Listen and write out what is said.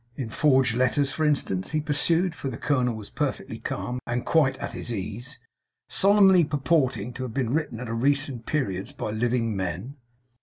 In forged letters, for instance,' he pursued, for the colonel was perfectly calm and quite at his ease, 'solemnly purporting to have been written at recent periods by living men?